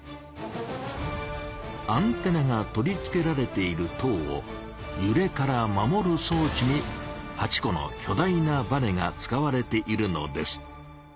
アンテナが取り付けられている塔をゆれから守るそう置にが使われているのです。